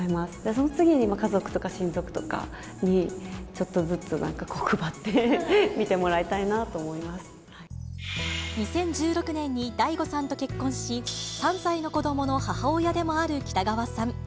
その次に、家族とか親族とかにちょっとずつなんか配って見てもらいたいなと２０１６年にＤＡＩＧＯさんと結婚し、３歳の子どもの母親でもある北川さん。